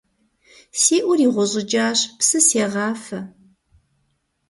Си Ӏур игъущӀыкӀащ, псы сегъафэ.